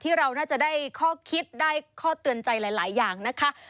เราน่าจะได้ข้อคิดได้ข้อเตือนใจหลายอย่างนะคะ